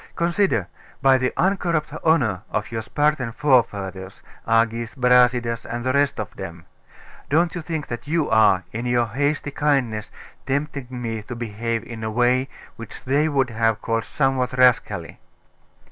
Consider: by the uncorrupt honour of your Spartan forefathers, Agis, Brasidas, and the rest of them, don't you think that you are, in your hasty kindness, tempting me to behave in a way which they would have called somewhat rascally?